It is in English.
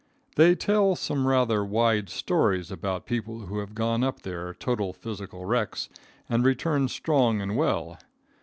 They tell some rather wide stories about people who have gone up there total physical wrecks and returned strong and well.